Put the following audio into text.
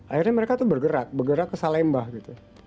akhirnya mereka tuh bergerak bergerak ke salembah gitu